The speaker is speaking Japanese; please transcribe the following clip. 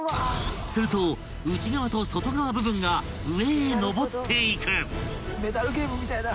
［すると内側と外側部分が上へ上っていく］